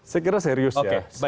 saya kira serius ya